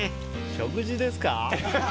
食事ですか？